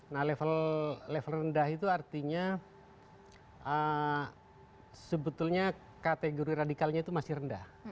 nah level rendah itu artinya sebetulnya kategori radikalnya itu masih rendah